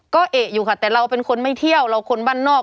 ก็เอกอยู่ค่ะแต่เราเป็นคนไม่เที่ยวเราคนบ้านนอก